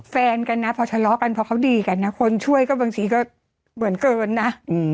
แฟนกันนะพอทะเลาะกันพอเขาดีกันนะคนช่วยก็บางทีก็เหมือนเกินนะ